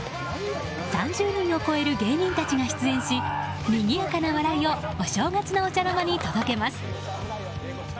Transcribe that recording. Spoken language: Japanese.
３０人を超える芸人たちが出演しにぎやかな笑いをお正月のお茶の間に届けます。